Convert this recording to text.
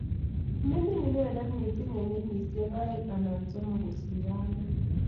Mining inendet mising eng kenyisiek aeng ana somok kosiro anendet